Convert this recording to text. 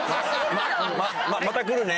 また来るね。